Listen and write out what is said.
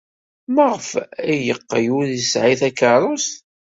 Maɣef ay yeqqel ur yesɛi takeṛṛust?